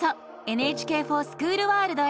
「ＮＨＫｆｏｒＳｃｈｏｏｌワールド」へ！